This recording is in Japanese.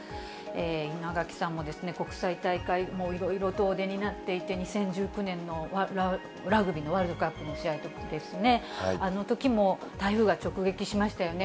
稲垣さんも国際大会、いろいろとお出になっていて、２０１９年のラグビーのワールドカップの試合とかですね、あのときも、台風が直撃しましたよね。